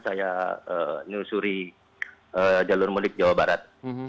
saya menyelusuri jalur mulik jawa barat